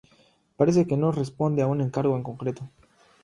Parece que no responde a un encargo en concreto.